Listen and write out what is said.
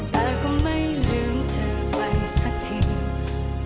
แต่ก็ไม่ลืมเธอไปสักที